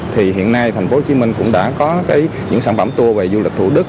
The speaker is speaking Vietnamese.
thì hiện nay thành phố hồ chí minh cũng đã có những sản phẩm tour về du lịch thủ đức